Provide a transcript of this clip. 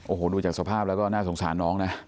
โอ้โหดูจากสภาพแล้วก็น่าสงสารน้องนะ